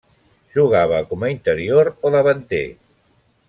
Jugava com a interior o davanter.